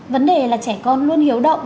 vấn đề là trẻ con luôn hiếu động